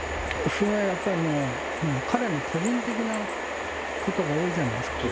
それはやっぱりもうほら彼の個人的なことが多いじゃないですか。